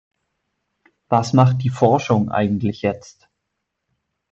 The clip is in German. Was macht die Forschung eigentlich jetzt?